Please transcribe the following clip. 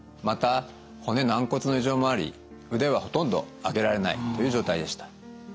また骨軟骨の異常もあり腕はほとんど上げられないという状態でした。